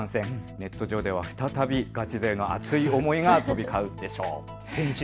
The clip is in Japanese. ネット上では再びガチ勢の熱い思いが飛び交うでしょう。